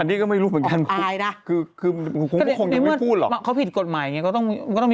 อันนี้ก็ไม่รู้เหมือนกัน